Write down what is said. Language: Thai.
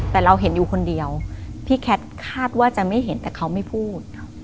แต่เราเห็นอยู่คนเดียวพี่แคทคาดว่าจะไม่เห็นแต่เขาไม่พูด